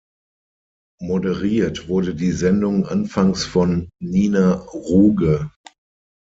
Moderiert wurde die Sendung anfangs von Nina Ruge.